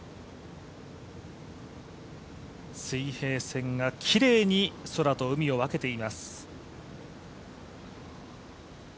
水平線がきれいに空と海を分けています。